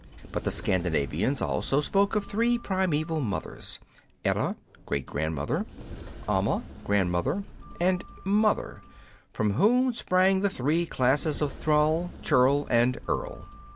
But the Scandinavians also spoke of three primeval mothers : Edda (great gran dm other), Amma (grand mother), and Mother, from whom sprang the three classes of thrall, churl, and earl.